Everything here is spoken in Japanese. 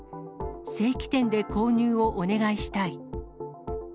正規店で購入をお願いしたい。